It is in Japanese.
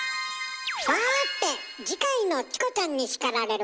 さて次回の「チコちゃんに叱られる！」